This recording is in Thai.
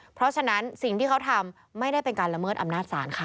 เพราะฉะนั้นสิ่งที่เขาทำไม่ได้เป็นการละเมิดอำนาจศาลค่ะ